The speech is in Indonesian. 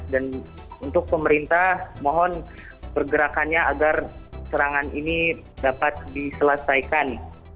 dan untuk pemerintah mohon pergerakannya agar serangan ini dapat diselesaikan